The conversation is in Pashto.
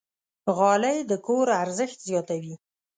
غالۍ د کور ارزښت زیاتوي.